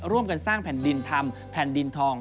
ร่วมกันสร้างแผ่นดินทำแผ่นดินทอง